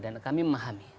dan kami memahami